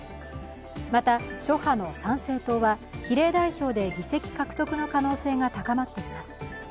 また、諸派の参政党は、比例代表で議席獲得の可能性が高まっています。